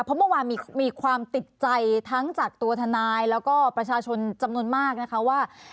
เพราะเมื่อวานมีความติดใจทั้งจากตัวทนายแล้วก็ประชาชนจำนวนมากนะคะว่า